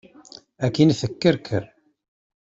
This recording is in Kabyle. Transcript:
Akin tekkerker.